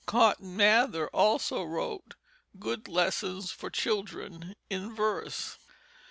Cotton Mather also wrote Good Lessons for Children, in Verse.